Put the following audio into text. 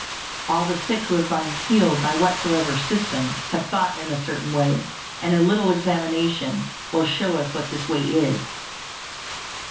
All the sick who have been healed, by whatsoever "system," have thought in a certain way; and a little examination will show us what this way is.